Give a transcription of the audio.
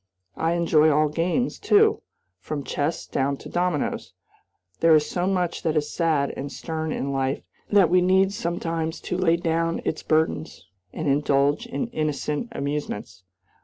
I enjoy all games, too, from chess down to dominoes. There is so much that is sad and stern in life that we need sometimes to lay down its burdens and indulge in innocent amusements.